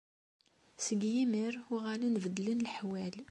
Seg yimir, uɣalen beddlen leḥwal.